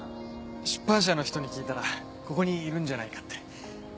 出版社の人に聞いたらここにいるんじゃないかって。